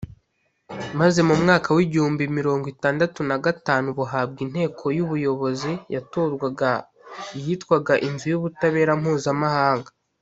maze mu mwaka wi gihumbi mirongo itandatu nagatanu buhabwa inteko y’ubuyobozi yatorwaga yitwaga inzu y’ubutabera mpuzamahanga.